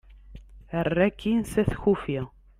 err akin s at kufi